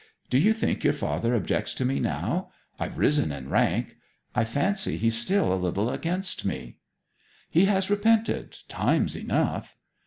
Do you think your father objects to me now? I've risen in rank. I fancy he's still a little against me.' 'He has repented, times enough.'